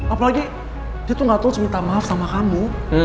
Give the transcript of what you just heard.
apalagi dia tuh gak tulus minta maaf sama kamu